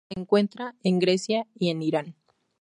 Se encuentra en Grecia y en Irán.